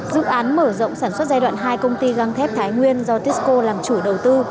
dự án mở rộng sản xuất giai đoạn hai công ty găng thép thái nguyên do tisco làm chủ đầu tư